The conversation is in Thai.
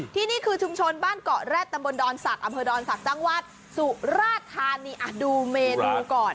ที่นี่คือชุมชนบ้านเกาะแร็ดตำบลดอนศักดิ์อำเภอดอนศักดิ์จังหวัดสุราธานีดูเมนูก่อน